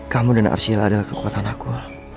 kamu dan arsila adalah kekuatan aku